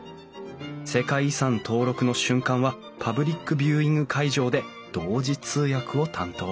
世界遺産登録の瞬間はパブリックビューイング会場で同時通訳を担当。